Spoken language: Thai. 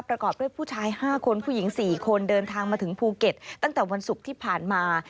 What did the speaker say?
ประกอบด้วยผู้ชาย๕คนผู้หญิง๔คนเดินทางมาถึงภูเก็ตตั้งแต่วันศุกร์ที่ผ่านมา